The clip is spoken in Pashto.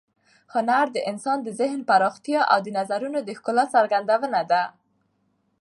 هنر د انسان د ذهن پراختیا او د نظرونو د ښکلا څرګندونه ده.